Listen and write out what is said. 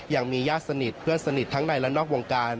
ยังมีญาติสนิทเพื่อนสนิททั้งในและนอกวงการ